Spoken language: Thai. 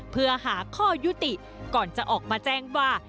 เพื่อหาข้อยุติก่อนจะออกมาแจ้งว่า